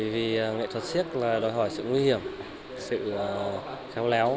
vì nghệ thuật siếc là đòi hỏi sự nguy hiểm sự khéo léo